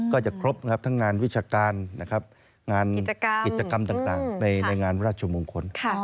ก็จะครบทั้งงานวิชาการงานกิจกรรมต่างในงานราชมงคล